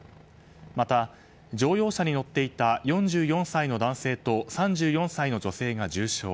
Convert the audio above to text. また、乗用車に乗っていた４４歳の男性と３４歳の女性が重傷。